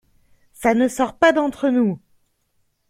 Ca ne sort pas d’entre nous !